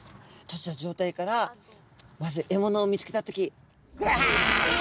閉じた状態からまず獲物を見つけた時グワ！